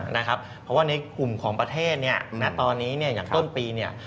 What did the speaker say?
เพราะว่าในกลุ่มของประเทศแต่ตอนนี้อย่างต้นปี